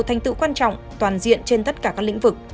thành tựu quan trọng toàn diện trên tất cả các lĩnh vực